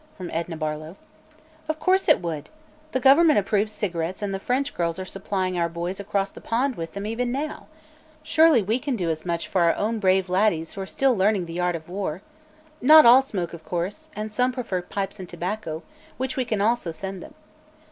from Edna Barlow. "Of course it would. The government approves cigarettes and the French girls are supplying our boys across the pond with them even now. Surely we can do as much for our own brave laddies who are still learning the art of war. Not all smoke, of course, and some prefer pipes and tobacco, which we can also send them.